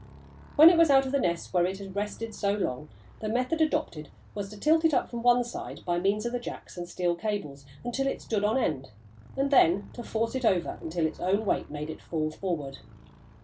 When it was out of the nest where it had rested so long, the method adopted was to tilt it up from one side, by means of the jacks and steel cables, until it stood on end, and then to force it over until its own weight made it fall forward.